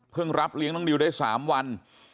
เพิ่มรับเลี้ยงน้องดิวได้สามวัน